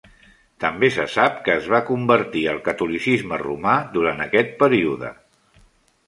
També se sap que es va convertir al catolicisme romà durant aquest període.